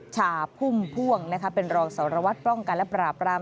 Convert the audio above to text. ชาพุ่มพ่วงเป็นรองสารวัตรป้องกันและปราบราม